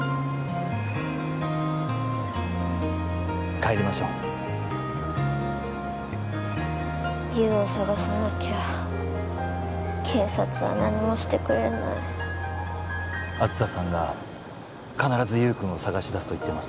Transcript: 帰りましょう優を捜さなきゃ警察は何もしてくれない梓さんが必ず優くんを捜し出すと言ってます